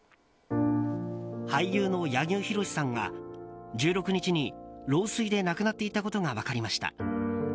俳優の柳生博さんが１６日に老衰で亡くなっていたことが分かりました。